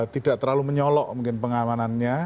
tidak terlalu menyolok mungkin pengamanannya